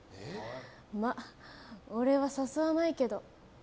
ま、俺は誘わないけど。